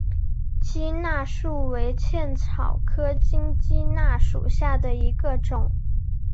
鸡纳树为茜草科金鸡纳属下的一个种。